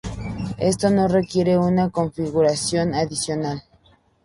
Esto no requiere una configuración adicional.